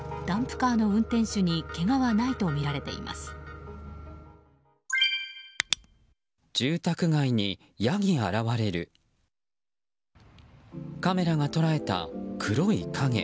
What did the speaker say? カメラが捉えた黒い影。